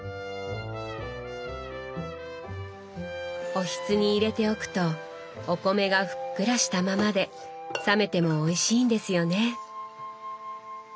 おひつに入れておくとお米がふっくらしたままで冷めてもおいしいんですよね。